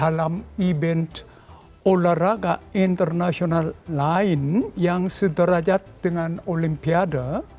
dalam event olahraga internasional lain yang sederajat dengan olimpiade